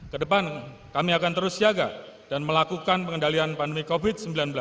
kedepan kami akan terus siaga dan melakukan pengendalian pandemi covid sembilan belas